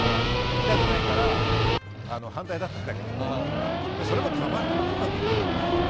見たくないから反対だったんだけどもそれもたまたまうまくいっただけです。